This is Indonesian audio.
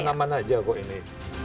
aman aja kok ini